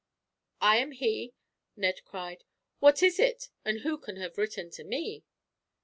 "I am he," Ned cried. "What is it, and who can have written to me?"